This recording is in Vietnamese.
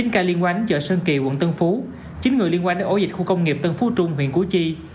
chín ca liên quan đến chợ sơn kỳ quận tân phú chín người liên quan đến ổ dịch khu công nghiệp tân phú trung huyện cú chi